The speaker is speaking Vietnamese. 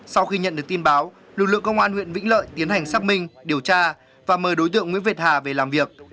sau khi nhận được tin báo lực lượng công an huyện vĩnh lợi tiến hành xác minh điều tra và mời đối tượng nguyễn việt hà về làm việc